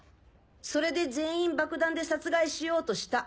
それで全員爆弾で殺害しようとした。